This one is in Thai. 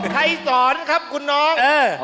ใครสอนครับคุณน้อง